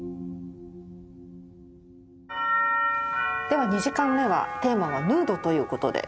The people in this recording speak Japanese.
では二時間目はテーマはヌードということで。